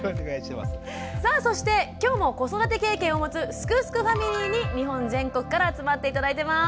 さあそして今日も子育て経験を持つ「すくすくファミリー」に日本全国から集まって頂いてます。